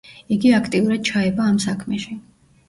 იგი აქტიურად ჩაება ამ საქმეში.